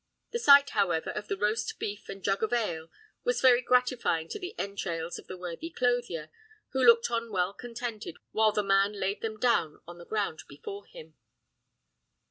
The sight, however, of the roast beef and jug of ale was very gratifying to the entrails of the worthy clothier, who looked on well contented while the man laid them down on the ground before him.